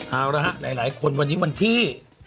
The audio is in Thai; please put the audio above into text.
เอาละฮะหลายคนวันนี้วันที่